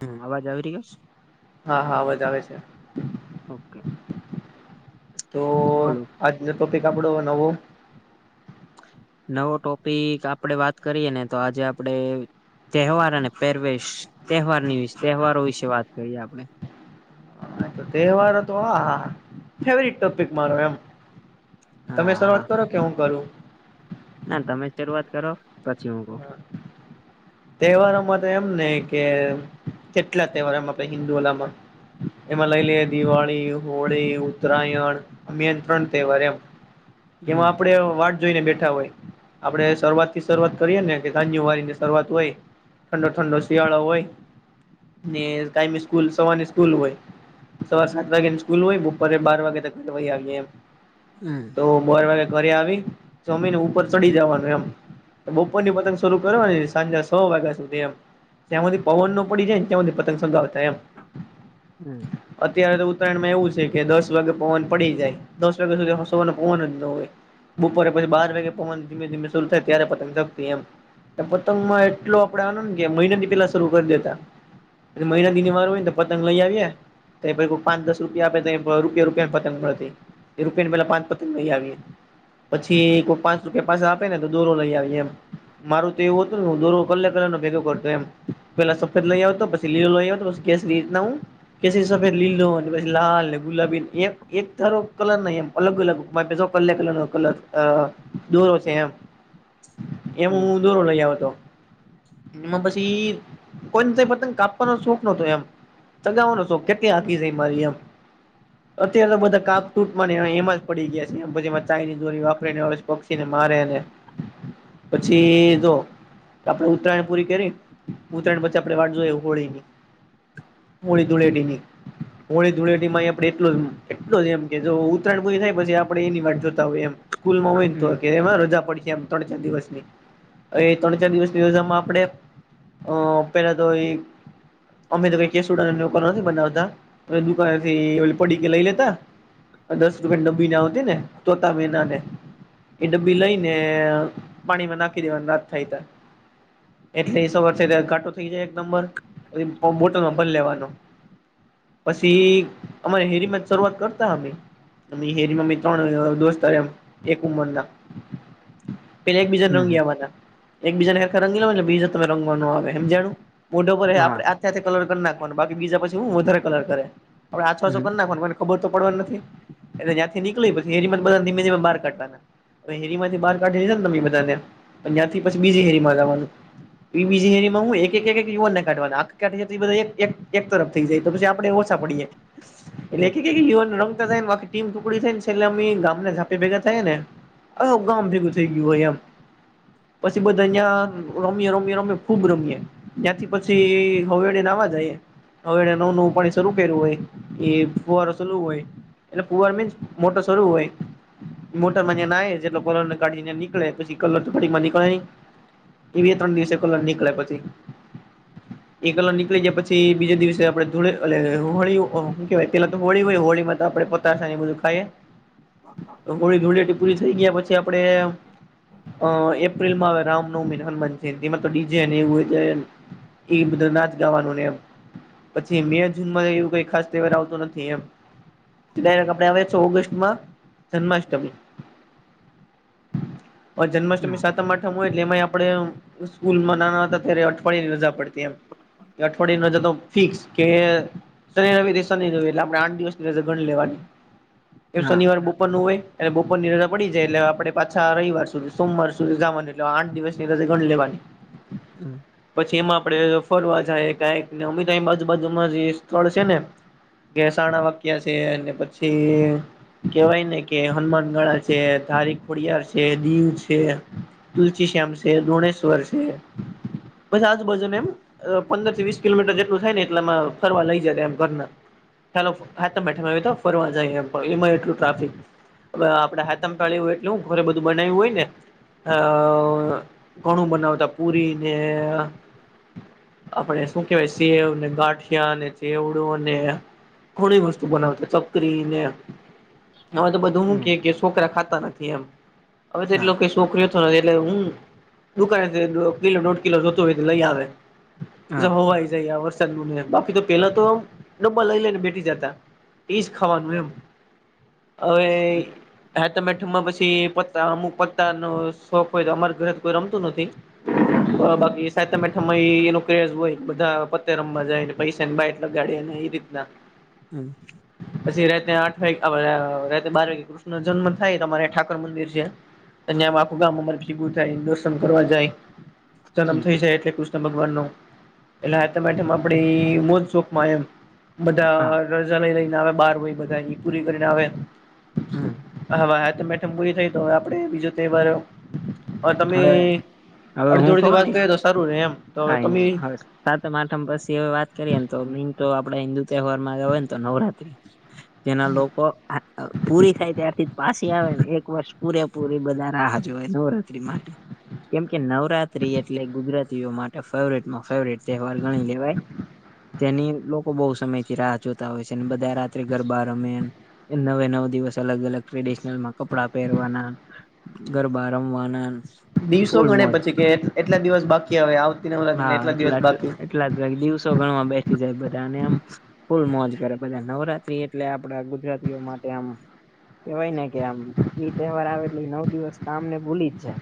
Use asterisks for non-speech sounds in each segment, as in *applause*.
હમ અવાજ આવી રિયો છ? હા હા અવાજ આવે છે ઓકે. તો બોલો આજનો ટોપિક આપણો નવો નવો ટોપિક આપડે વાત કરીએ ને તો, આજે આપડે તહેવાર અને પહેરવેશ. તહેવારની વિશ તહેવારો વિશે વાત કરીએ આપડે. તહેવાર તો આહા. ફેવરીટ ટોપિક મારો એમ. તમે હા હા શરૂઆત કરો કે હું કરું? ના તમે જ શરૂઆત કરો. પછી હું કઉ. તહેવારોમાં તો એમ ને કે કેટલા તહેવારોમ આપડે હિન્દુલામાં એમાં લઈ લઈએ દિવાળી, હોળી, ઉત્તરાયણ આ મેન ત્રણ તહેવાર એમ. એમાં હમ આપડે વાત જોઈને બેઠા હોય. આપડે શરૂઆતથી શરૂઆત કરીએે ને કે, જાન્યુવારીની શરૂઆત હોય, ઠંડો ઠંડો શિયાળો હોય ને કાયમી સ્કૂલ સવારની સ્કૂલ હોય. સવાર સાત વાગ્યાન સ્કૂલ હોય, બપોરે બાર વાગે તો ઘરે વય આવીએ એમ. હમ. તો બાર વાગે ઘરે આવી, જમીને ઉપર ચડી જવાનું એમ. કે બપોરની પતંગ શરૂ કરવાની સાંજે સો વાગ્યા સુધી એમ. જ્યાં સુધી પવન ન હમ પડી જાયને ત્યાં હુધી પતંગ ચગાવતા એમ. હમ. અત્યારે તો ઉત્તરાયણમાં એવું છે કે દસ વાગે પવન પડી જાય. દસ વાગ્યા સુધી સવારે પવન જ ન હોય. બપોરે પછી બાર વાગે પવન ધીમે ધીમે શરૂ થાય ત્યારે પતગ ચગતી એમ. *inaudible* પતંગમાં એટલો આપડે આનંદ ને કે મહિનાથી પેલા શરૂ કરી દેતા. મહિના દિની વાર હોય ને પતંગ લઈ આવીએે એ કોઈ પાંચ દસ રૂપિયા આપે તો રૂપિયા રૂપિયાની પતંગ મળતી. એ રૂપિયાની પેહલા પાંચ પતંગ લઈ આવીએ. પછી કોઈ પાંચ રૂપિયા પાછા આપે ને તો દોરો લઈ આવી એમ. મારું તો એવું અ દો કલર કલરનો ભેગું કરતો એમ. પેલા સફેદ લઈ આવતો, પછી લીલો લઈ આવતો, પછી કેસરી. એ રીતના હું કેસરી, સફેદ, લીલો પછી લાલ ને ગુલાબી એક ધારો કલર નઈ એમ. અલગ અલગ કલે કલરનો કલર અ દોરો છે એમ. એમ હમ હું દોરો લઈ આવતો. એમાં પછી કોઈને ત્યાં પતંગ કાપવાનો શોખ નતો એમ. ચગાવવાનો શોખ કેટલી આધી જાય મારી એમ. અત્યારે તો બધા કાપ-તૂટમાં એમાં જ પડી ગયા છે એમ. પછી એમાં ચાઇનિસ દોરી વાપરીને પક્ષીને મારે ને પછી જો, આપણે ઉત્તરાયણ પૂરી કરીન, ઉત્તરાયણ પછી આપણે વાટ જોએ હોળીની. હોળી ધુળેટીની. હોળી ધૂળેટી માંય આપણે એટલો જ, એટલો જ એમ કે, જો ઉત્તરાયણ પૂરી થાય પછી આપડે એની વાટ જોતા હોય એમ. સ્કૂલમાં હોય ને તો હમ કે એવા રજા પડી જાય આમ તણ ચાર દિવસ ની. એ ત્રણ ચાર દિવસ *unintelligible* માં આપડે અહ પેલા તો ઈ અમે તો કાઈ કેસુડાની ઉપર નથી બનાવતા, અમે દુકાનેથી ઓલી પડીકી લઈ લેતા. દસ રૂપિયાન ડબ્બી આવતીને તોતા મેના ને એ ડબ્બી લઈને પાણીમાં નાખી દેવાનું નાત થાય તા. એટલે એ સવાર છે ઘાટો થઈ જાય એક નંબર. પછી બોટલમાં ભરી લેવાનો. પછી અમારે હેરીમાં જ શરૂઆત કરતા અમે. અ હેરીમાં ત્રણ અ દોસ્તાર એમ, એક ઉંમરના પેલા એકબીજા નવ હમ લીયાવાનાં. એકબીજાને હેરખર રંગીવાય એટલે બીજા તમે રંગવાનું આવે હમજાનું? મોઢા ઉપર હા આખે આખા કલર કર નાખ વાના બાકી બીજા પછી હું વધારે કલર કરે, આપડે આછો-આછો કર હમ નાખવાનો *unintelligible* ખબર તો પડવાની નથી, એટલે જ્યાંથી નીકળી પછી *unintelligible* ધીમે-ધીમે બહાર કાઢતા તા. હવે હેરી માંથી બહાર કાઢી લીધા ને તમે ઈ બધાને, પછ ન્યાંથી પછી બીજી હેરી માં જાવાનું. ઈ બીજી હેરીમાં હું એક-એક યુવાન ને કાઢવા ના, *unintelligible* કાઢી, એ બધ્ એક-એક તરફ થઈ જાય, તો પછી આપડેય ઓછા પડી જાય, એટલે હમ એક-એક યુવાન ને રંગતા થાયને, આખી ટીમ ટુકડી થાયન એટલે અમે ઈ ગામના ઝાંપે ભેગા થઈએ ને, આ ગામ ભેગું થઈ ગયું હોય એમ. પછી બધા અહીયાં રમીએ-રમીએ-રમીએ ખુબ રમીએ. ન્યાંથી પછી હવેળે નહાવા જાઈએ. હવે એને નવું-નવું પાણી શરૂ કર્યું હોય, એ ફુવારો સલું હોય એટલે ફુવારો મીન્સ મોટર શરૂ હોય મોટર માં ન્યાં નાહી, જેટલો કલરને કાઢીને નીકળે, પછી કલર તો પાણી માં નીક *unintelligible* ઈ બે ત્રણ દિવસે કલર નીકળે પછી. એ કલર નીકળી જાય, પછી બીજા દિવસે આપડે ધૂળે એલે હોળી હું કેવાય પેલા તો હોળી હોય, હોળીમાં તો આપડે પ તાશા ને એ બધું ખાઈએ. હોળી ધૂળેટી પૂરી થઈ ગયા પછી આપડે, અહ એ એપ્રિલમાં આવે રામનવમીને, હનુમાન જયંતી, એમાં તો ડી જે ને એવું હોય *unintelligible* ઈ બદરીનાથ ગાવાનું ને એમ પછી મે, જૂન માં એવું કાઈ ખાસ તહેવાર આવતો નથી એમ. પછી ડાયરેક્ટ આપડે આવે છે ઓગસ્ટમાં, જન્માષ્ટમી. અ જન્માષ્ટમી હા સાથ સાતમ- આઠમ હોય એટલે એમાંય આપડે સ્કૂલમાં નાના હતા ત્યારે અઠવાડિયાની રજા પડતી એમ. એ અઠવાડિયાની રજા તો ફિક્સ, કે શનિ-રવીથી, શનિ-રવી એટલે આપણે આઠ દિવસ ની રજા ગણી લેવાની. એ હા શનિવાર બપોરનું હોય, અને બપોર ની રજા પડી જાય એટલે આપડે પાછા રઈવાર સુધી, સોમવાર સુધી જાવાની, એટલે આઠ દિવસ ની રજા ગણ લેવાની હમ્મ. પછી એમાં આપડે ફરવા જાયએ કાઇક, ને અમે તો અહિયાં આજુબાજુમાં જે સ્થળ છે ને ગેસાણા વાક્યા છે, ને પછી કેવાય ને કે હનુમાન ગળા છે, ધારીક કોડિયાર છે, દીવ છે. તુલસી શ્યામ છે, દોણેશ્વર છે, બધા આજ બાજુના એમ અહ પંદર થી વીસ કિલોમીટર જેટલું થાય ને એટલામાં ફરવા લઇ જાય એમ ઘરના. ચાલો હાતમ આઠમ આવ્યો તો ફરવા જાય એમ, પણ એમાંઈ એટલું ટ્રાફિક. અહ આપણે હાથમ *unintelligible* હોય, એટલે હું ઘરે બધું બનાયવું હોય ને અહ ઘણું બનાવતા પુરી ને *inaudible* આપડે શું કેવાય સેવ ને, ગાંઠિયા ને, ચવડો ને, ઘણી વસ વસ્તું હમ બનાવતા, ચકરીને, હવે તો બધું હું હમ કેય કે સોકરા ખાતા નથી એમ. હવે તો એટલો હા કઈ શોખ રહેતો નથી એટલે હું, દુકાને થી કિલો દોઢ કિલો જોતો હોય તો લઈ આવે, જે હા હવાય જાય આ વસ *unintelligible* બાકી તો પેલા તો ડબ્બા લઈ લઈન બેઠી જાતા. ઇજ ખવાાનું એમ. અવે હમ હાતમ- આઠમ માં પછી પતા અમુક પત્તા ન શોખ હોય તો અમાર ઘરે કોઈ રમતું નથી. અ હમ બાકી સાતમ આઠમમાં ઈ એનો ક્રેઝ હોય, બધા પત્તે રમવા જાય, ને પૈસા ની બાાયટ લગાડે ને ઈ રીતના. *inaudible* હમ્મ. પછી રાતે આઠ વાગે, અહ રાતે બાર વાગ્યે કૃષ્ણ જન્મ થાય, તો અમારે અહિયાં ઠાકર મંદિર સે. અને આમ આખું ગામ અમારે ભેગું થાય, દર્શન કરવા જાય, જન્મ હમ થઇ જાય એટલે ભગવાનનો, એટલે હાયતમ આયઠમ આપણે ઈ મોજ શોખમાં એમ. હા બધા રજા લઈ લઈને આવે બાર હોય બધા પૂરી કરીને આવે હમ હાવ ઠંરી થઈ તો આપડે બીજો તહેવાર હવે તમે હવે અડધી અડધી વાત કરી તો સારું રે એમ. તો હવે આ એમ તમે હાવે સાતમ આઠમ પછી હવે વાત કરીએને તો મેન તો આપડે હિન્દુ તહેવાર માં હોય ને તો નવરાત્રી. *inaudible* જેના લોકો પૂરી થાય ત્યારથી જ પાછી આવે ને એક વર્ષ પૂરેપૂરી બધા રાહ જોય નવરાત્રી માટે. કેમ કે નવરાત્રી એટલે ગુજરાત માટે ફવરેટમાં ફેવરટ તહેવાર ગણી લેવાય. તેની લોકો બહુ સમય થી રાહ જોતા હોય છે. અને બધા રાત્રે ઘર બહાર રમે નવે નવ દિવસ અલગ અલગ ટ્રેડિશનલમાં. કપડા પહેરવાના ગરબા રમવાના. દિવસો ફૂલ ગણે મોજ પછી કે એટલા દિવસ બાકી આવે આવતી નવરાત્રી ના એટલા દિવસ બાકી કેટલાક જ દિવસો ગણવા બેસી જાય, બધાને એમ ફૂલ મોજ કરે બધા નવરાત્રી એટલે આપડા ગુજરાતીઓ માટે આમ. કેવાય ને કે આમ એઈ તહેવાર આવે એટલે નવ દિવસ કામ ને ભૂલી જ જાય.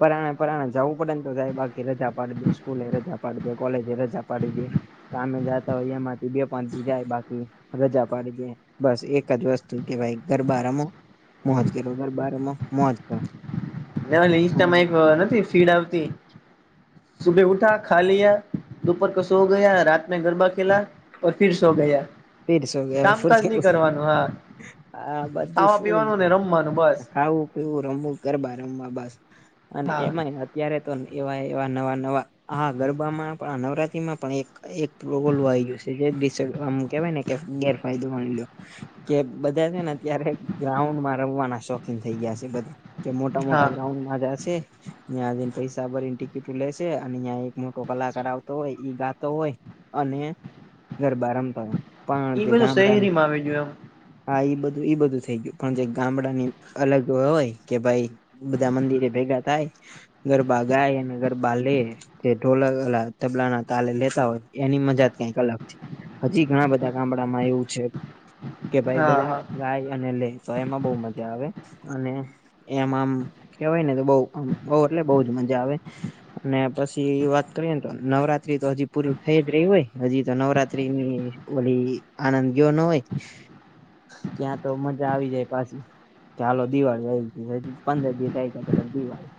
પરાણા પરાણા જવું પડે તો જાય બાકી એ રજા આપ પાડી દે સ્કૂલ એ રજા આપડી દે કોલેજ એ રજા પાડી દે. કામે જતા હોય એમાંથી બે પણથી જાય બાકી. રજા પાડી દે બસ એક જ વસ્તુ કે ભાઈ ગરબા રમો. મોજ કર ગરબારમાં મોજ કર. ઈચતામાં એક નથી ફીડ આવતી. સુબે ઉઠા ખા લ દપર ક સો ગયા રાત મે ગરબા ખેલા. ઓર ફિર સો ગયા. ફિર સો કામકાજ ગયા. નહી કરવાનું હા હા બધું ખાવા શું પીવાનું ને રમવાનું બસ ખાવું? એવું રમવું કરવાા રમવા બસ અને હા એમાંય ત્યારે તો એવા એવા નવા નવા આ ગરબામાં પણ આ નવરાત્રીમાં પણ એક. એક પ્રોગલ આવી ગયો છે. જે દ કેવાય ને કે ગેરફાયદો મળ્યો કે બધા છે. ને ત્યારે ગ્રાઉન્ડ માં રમવાના શોખ. થઇ ગયા છે. બધા કે મોટા હા મોટા ગ્રાઉન્ડમાં જ છે ત્યાંને પૈસા ભરીને ટિકિટું લેશે અને ત્યાં એક મોટો કલાકાર આવતો હોય ગાતો હોય. અને ગરબા રમતા હોય પણ ઈ જે બધું ગામડાની. શહેરીમાં આવી ગયું હા ઈ બધું ઈ બધું થઈ ગયું પણ જે ગામડા ની અલગ હોય કે ભાઈ. બધા મંદિરે ભેગા થાય ગરબાગાય અને ગરબા લે જે ઢોલ તબલા ના તાલે લેતા હોય એની મજા જ કઈક અલગ છે. હજી ઘણા બધા ગામડામાં એવું છે. કે એમ ભાઈ હા બધા હા ગાય અને લે તો એમાં બહ મજા આવે અને એમ આમ કેવાય ને તો બઉ બઉ એટલે બઉ જ મજા આવે અને પછી વાત કરીએને તો નવરા તો હજી પૂરીું થઈ જ રહી હોય હજી તો, નવરાત્રીની આનંદીયો ન હોય. ત્યાં તો મજા આવી જાય પાછી કે ચાલો દિવાળી આવી હ પંદર દિવસ આ છે. દિવાળું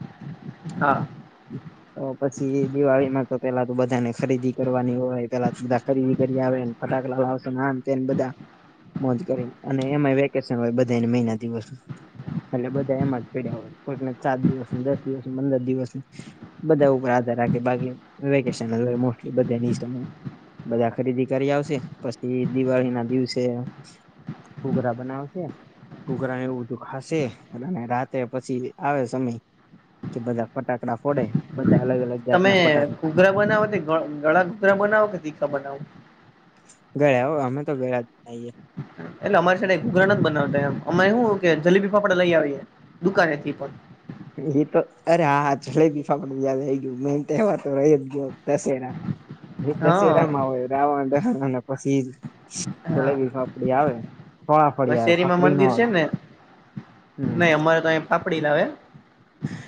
હા *inaudible* તો પછી એ દિવાળીમાં તો પેલા ત બધાને ખરીદી કરવાની હોય પેલા બધા ખરીદી કરી આવે. ફટાક લાવશો નામ તેને બધા. મોજ કરી અને એમાં વેકેશન હોય બધાને મહિના દિવસ. એટલે બધા એમાં જ પેડ્યા હોય કોકને ચત દિવસ નું દસ દિવસ ન પંદર દિવસ નું. બધા ઉપર આધાર રાખે બાકી વેકેશન. બધા ખરીદી કરી આવશે, પછી દિવાળી ના દિવસે ઘૂઘરા બનાવ છે. ઘૂઘરા એવું બધું ખાશે અને રાતે પછી આવે સમય. કે બધા ફટાકડા ફોડે બધા અલગ અલગ તમે જાતના ફટાકડા ઘૂઘરા બનાવો કે ગળા ઘૂગરા બનાવો કે તીખા બનાવો. ગળ અમે તો ગળા જઈએ. એટલે અમારી સા ઘૂઘરા ન જ બનાવતામ અમામે શું કે જલેબી ફાપડા લઈ આવીએ. દુકાને થી પણ. એ તો અરે આ જલેબી ફાકડ હે ગય દશેરા. એ હા બશેરામાં હોય રામ. પછી જલેબી હા ફાફડી આવે ફળફળી આવે શેરીમાં ફાફડી ન મંદિર આવે. છે ને હમ નહી અમારે તો અહી પાપડી લાવે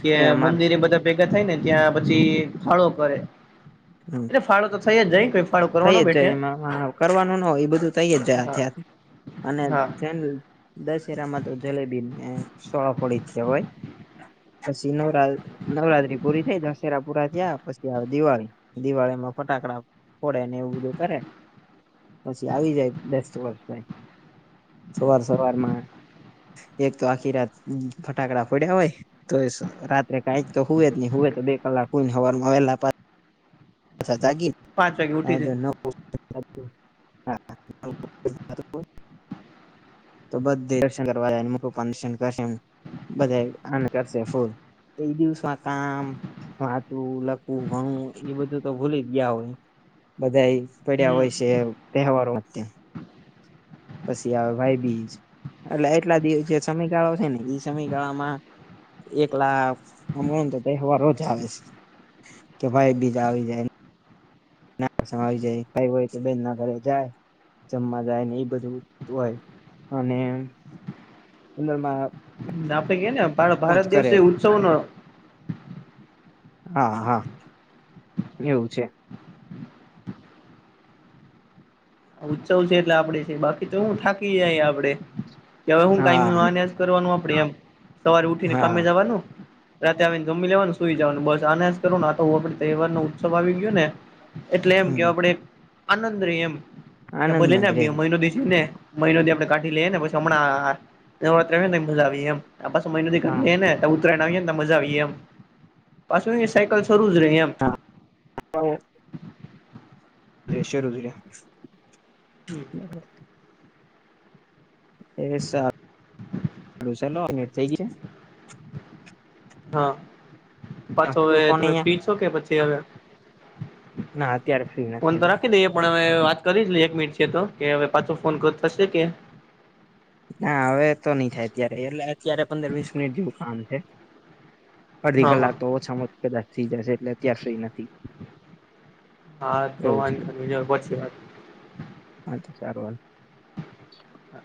કે નહી અમારે મંદિર બધા. ભેગા થાય ને ત્યાં પછી ખાળો કરે. હમ. ફાળો તો થયા જાયઈ થઈ જ જાય એમાં કરવાનું ના હોય એ બધું થઈ જ હા જાય અને હા જે દશેરામાં તો જલેબી ને સોળ ફળ છે હોય પસીનો રાજ નવરાત્રી પૂરી થઈ દશેરા પૂરા થયા પછી આવે દિવાળી દિવાળીમાં ફટાકડા પડે ને એવું બધું કરે પછી આવી જાય દસ વર્ષ ભાઈ સવાર સવારમાં એક તો આખી રાત ફટાકડા ફોડ્યા હોય તોય રાત્રે કાંઈ તો હોુવે જ નહી હોય તો બે કલાક હોય ને હવાર માં વહેલા પાછ અચછ જાગી પાંચ વાગે ઉઠી જાય હ તો બધ દર્શન કરવા જ મુપ દર્શન કરશે બધ કરશે ફૂલ એ દિવસમાં કામ વાંચવું લખવું ઘણું એ બધું તો ભૂલી જ ગયા હોય બધા એ પડ્યા હોય છે હમ તહેવારો પછી આવે ભાઈ બીજ એટલે એટલા દિવસ જે સમયગાળો છે ને એ સમયગાળામાં એકલા હમરો તો તહેવારો જ આવે છે કે ભાઈ બીજા આવી જાય નામાં આવી જાય કઈ હોય તો બેન ના ઘરે જાય જમવા જાય ને એ બધું હોય અને અંદરમાં આપે કે ને જ ભારત દિવસ કરે એ ઉત્સવ ન હા હા એવું છે ઉત્સવ છે એટલે આપડે છે બાકી તો શું થાકી જાય આપડે કે હવે હું કીને હા કરવાનું આપણેે એમ સવારે ઉઠીને કામે હા જવાનું રાતે આવીને જમી લેવાનું સુઈ જવાનું બસ આના જ કરો ને આ તો હ આપડે તહેવાર નો ઉત્સવ આવી ગયો ને એટલે એમ કે હમ આપડ આનંદ ર એમ કે ભછ લઈ આનંદમાં ને જ રે મહિનો દ ને મહિનો દ આપડે કાઢી લઈએ પછ હમણાં નત્ર ને મજા આવી એમ આ પા મહિથી હા ઘંે ને ઉતરાયણ આવીએ ને મજા આવીએ એમ પાછું સાયકલ શરૂ જ રહી એમ હ શરૂ હમ *inaudible* એ સાું ચાલ અટ થઇ ગ હા પાછો છે હવે તું ફોન તમે ફ્રીજ છો કે પછી હવે ના અત્યારે ફ્રી ફોન નથી તો હવે રાખી દઈએ પણ હવે વાત કરી લ એક મિનિટ છે તો કે હવે પાછો ફોન થશે કે ના હવે તો નઈ થાય અત્યારે એટલે અત્યારે પંદર વીસ મિનિટ જેવું કામ છે અડધી હા હા કલાક તો ઓછામાંછી કદાચ થઈ જશે એટલે અત્યાર સુઈ નથી હા તો વાંધજ છે વાત હા તો સારું વાલ હા